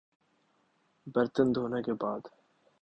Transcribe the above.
برتن دھونے کے بعد